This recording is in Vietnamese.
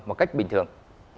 một cách bình thường